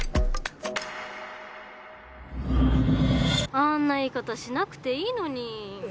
あんな言い方しなくていいのに。